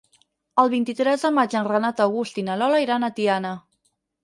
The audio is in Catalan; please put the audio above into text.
El vint-i-tres de maig en Renat August i na Lola iran a Tiana.